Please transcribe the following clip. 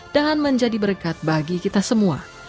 dan menjadi berkat bagi kita semua